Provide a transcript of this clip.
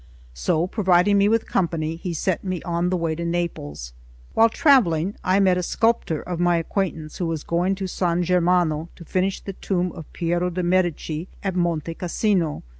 So, providing me with company, he set me on the way to Naples. While travelling, I met a sculptor of my acquaintance, who was going to San Germano to finish the tomb of Piero de' Medici at Monte Cassino.